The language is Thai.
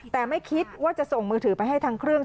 แต่ไม่คิดว่าจะส่งมือถือไปให้ทางเครื่อง